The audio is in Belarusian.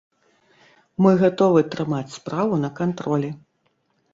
Мы гатовы трымаць справу на кантролі.